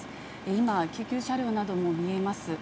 今、救急車両なども見えます。